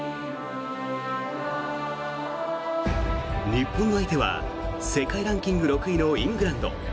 日本の相手は世界ランキング６位のイングランド。